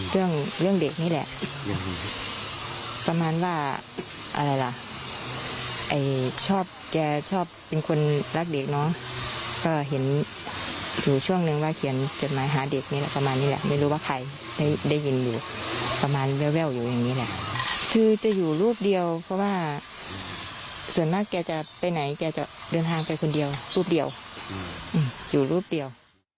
ส่วนมากแกจะไปไหนแกจะเดินทางไปคนเดียวรูปเดียวอยู่รูปเดียว